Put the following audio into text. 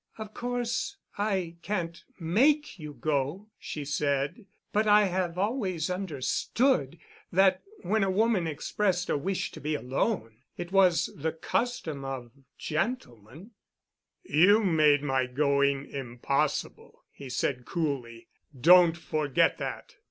"Of course, I can't make you go," she said, "but I have always understood that when a woman expressed a wish to be alone, it was the custom of gentlemen——" "You made my going impossible," he said coolly. "Don't forget that.